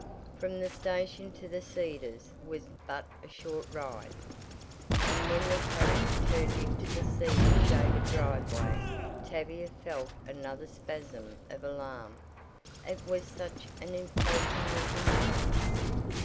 From the station to the "Cedars" was but a short ride, and when the carriage turned into the cedar shaded driveway Tavia felt another "spasm" of alarm it was such an imposing looking place.